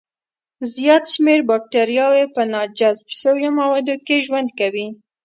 زیات شمېر بکتریاوي په ناجذب شوو موادو کې ژوند کوي.